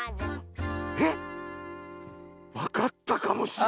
えっ⁉わかったかもしれん。